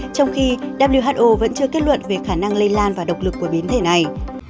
trong khi who vẫn chưa kết luận về khả năng lây lan và độc lực của biến thể này